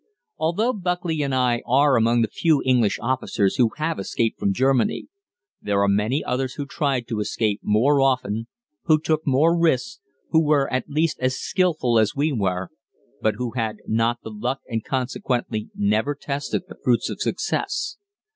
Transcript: Although Buckley and I are among the few English officers who have escaped from Germany, there were many others who tried to escape more often, who took more risks, who were at least as skilful as we were, but who had not the luck and consequently never tasted the fruits of success.